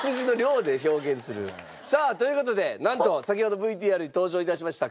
さあという事でなんと先ほどＶＴＲに登場致しました